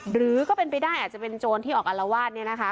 หรือก็เป็นไปได้อาจจะเป็นโจรที่ออกอารวาสเนี่ยนะคะ